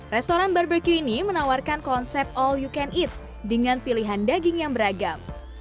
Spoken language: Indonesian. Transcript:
restoran barbecue ini menawarkan konsep all you can eat dengan pilihan daging yang beragam